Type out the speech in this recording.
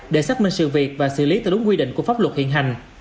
để xác minh sự việc và xử lý theo đúng quy định của pháp luật hiện hành